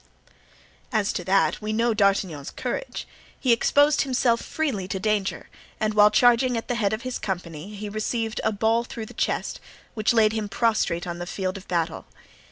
As to that, we know D'Artagnan's courage; he exposed himself freely to danger and while charging at the head of his company he received a ball through the chest which laid him prostrate on the field of battle.